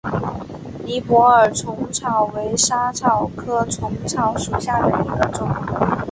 尼泊尔嵩草为莎草科嵩草属下的一个种。